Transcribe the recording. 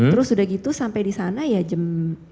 terus udah gitu sampai di sana ya jam